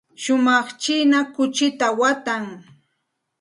Shumaq china kuchita watan.